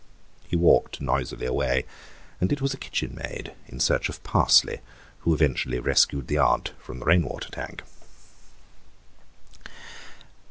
He walked noisily away, and it was a kitchenmaid, in search of parsley, who eventually rescued the aunt from the rain water tank.